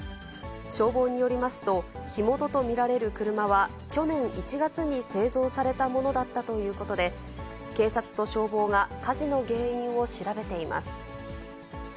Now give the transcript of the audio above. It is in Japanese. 消防によりますと、火元と見られる車は去年１月に製造されたものだったということで、警察と消防が火事の原因を調べています。